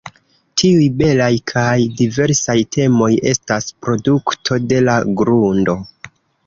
Tiuj belaj kaj diversaj temoj estas produkto de la grundo.